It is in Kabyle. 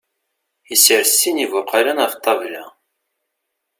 Isres sin n ibuqalen ɣef ṭṭabla.